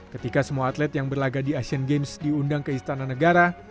ketika semua atlet yang berlaga di asian games diundang ke istana negara